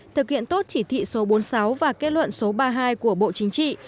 thực hiện tốt chỉ thị số bốn mươi sáu và kết luận số ba mươi hai của bộ chính trị